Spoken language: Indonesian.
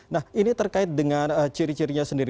nah ini terkait dengan ciri cirinya sendiri